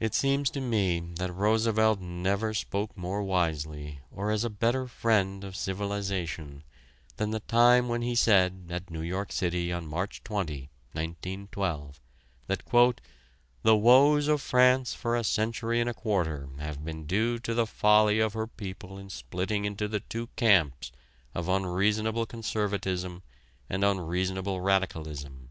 It seems to me that Roosevelt never spoke more wisely or as a better friend of civilization than the time when he said at New York City on March 20, 1912, that "the woes of France for a century and a quarter have been due to the folly of her people in splitting into the two camps of unreasonable conservatism and unreasonable radicalism.